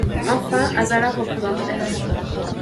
Enfin Azala représente l’air.